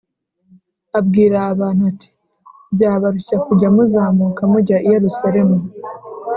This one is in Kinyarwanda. abwira abantu ati “Byabarushya kujya muzamuka mujya i Yerusalemu